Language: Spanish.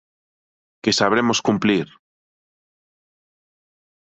¡Que sabremos cumplir!